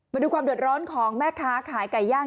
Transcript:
มาดูความเดือดร้อนของแม่ค้าขายไก่ย่าง